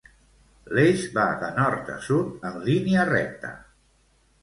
L'eix va de nord a sud en línia recta.